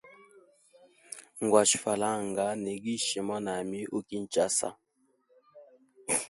Ngwashe falanga, nigishe mwanami u kisasa.